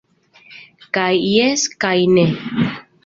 Kaj jes, kaj ne.